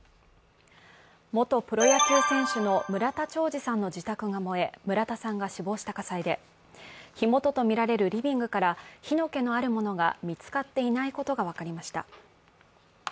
元プロ野球選手の村田兆治さんの自宅が燃え、村田さんが死亡した火災で火元とみられるリビングから火の気のあるものが見つかっていないことが分かりました。